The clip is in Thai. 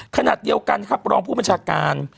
ขณะเดียวกันครับรองผู้บัญชาการ